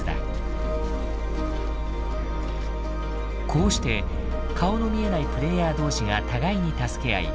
こうして顔の見えないプレイヤー同士が互いに助け合い